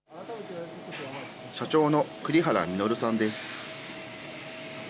社長の栗原稔さんです。